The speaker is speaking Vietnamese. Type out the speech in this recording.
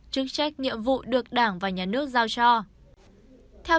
chức trách nhiệm vụ được đảng và nhà nước giao cho